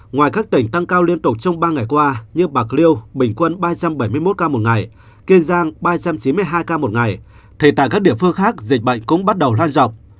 ngoài các tỉnh tăng cao liên tục trong ba ngày qua như bạc liêu bình quân ba trăm bảy mươi một ca một ngày kiên giang ba trăm chín mươi hai ca một ngày thì tại các địa phương khác dịch bệnh cũng bắt đầu lan rộng